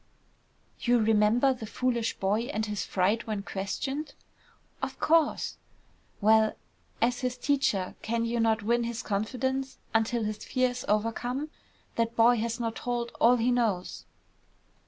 "You remember the foolish boy and his fright when questioned?" "Of course." "Well, as his teacher, can you not win his confidence until his fear is overcome? That boy has not told all he knows."